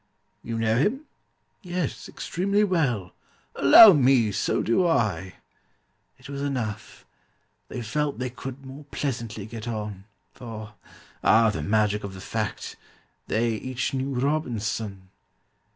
You know him?" "Yes, extremely well." "Allow me, so do I." It was enough: they felt they could more pleasantly get on, For (ah, the magic of the fact!) they each knew ROBINSON!